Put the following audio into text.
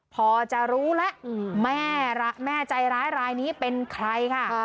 พอจะรู้แล้วแม่ใจร้ายรายนี้เป็นใครค่ะ